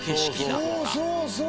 「そうそうそう！」